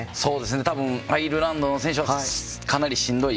多分アイルランドの選手はかなりしんどい。